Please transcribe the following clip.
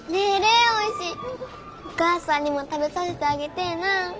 お母さんにも食べさせてあげてえなあ。